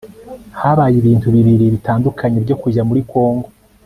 Habaye ibintu bibiri bitandukanye byo kujya muri Kongo